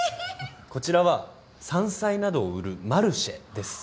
こちらは山菜などを売るマルシェです。